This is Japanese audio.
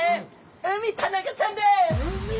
ウミタナゴちゃんです。